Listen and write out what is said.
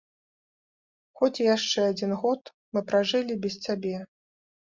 Хоць і яшчэ адзін год мы пражылі без цябе.